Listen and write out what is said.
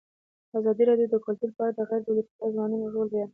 ازادي راډیو د کلتور په اړه د غیر دولتي سازمانونو رول بیان کړی.